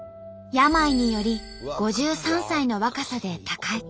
病により５３歳の若さで他界。